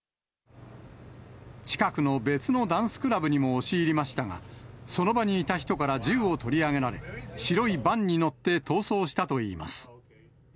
近くの別のダンスクラブにも押し入りましたが、その場にいた人から銃を取り上げられ、白いバンに乗って逃走したといいます。